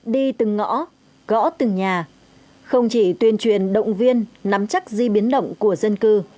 đi từng ngõ gõ từng nhà không chỉ tuyên truyền động viên nắm chắc di biến động của dân cư